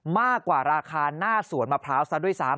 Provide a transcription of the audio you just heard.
มากกว่าราคาหน้าสวนมะพร้าวซะด้วยซ้ำ